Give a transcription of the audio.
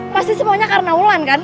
pasti semuanya karena wulan kan